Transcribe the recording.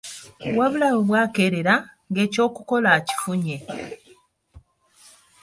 Wabula we bwakeerera ng'ekyokukola akifunye.